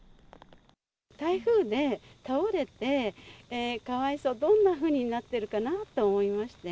台風で倒れてかわいそう、どんなふうになっているかなと思いまして。